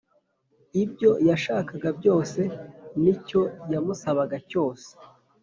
ibyo yashakaga byose n’icyo yamusabaga cyose